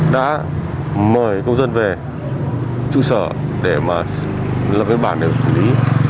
đã mời công dân về trụ sở để mà lập cái bản để xử lý